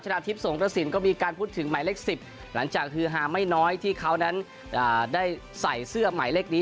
ทิพย์สงกระสินก็มีการพูดถึงหมายเลข๑๐หลังจากฮือฮาไม่น้อยที่เขานั้นได้ใส่เสื้อหมายเลขนี้